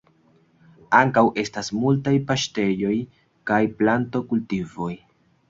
Ankaŭ estas multaj paŝtejoj kaj planto-kultivoj.